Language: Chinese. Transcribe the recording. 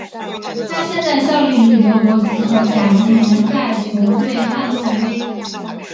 他现在效力于德国足球甲级联赛球队汉诺威。